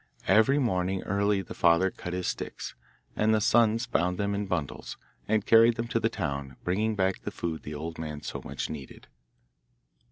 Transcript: Every morning early the father cut his sticks, and the sons bound them in bundles, and carried them to the town, bringing back the food the old man so much needed.